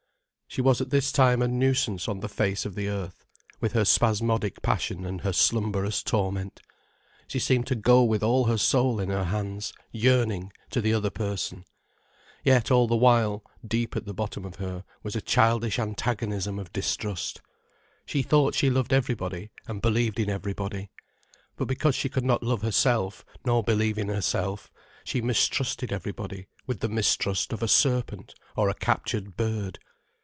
She was at this time a nuisance on the face of the earth, with her spasmodic passion and her slumberous torment. She seemed to go with all her soul in her hands, yearning, to the other person. Yet all the while, deep at the bottom of her was a childish antagonism of distrust. She thought she loved everybody and believed in everybody. But because she could not love herself nor believe in herself, she mistrusted everybody with the mistrust of a serpent or a captured bird.